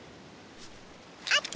あった！